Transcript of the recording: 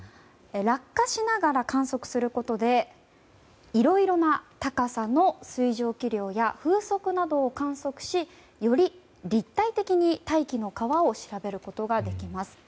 落下しながら観測することでいろいろな高さの水蒸気量や風速などを観測しより立体的に大気の川を調べることができます。